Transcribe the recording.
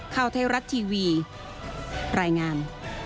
ข่าวเทศรัทย์ทีวีปรายงาน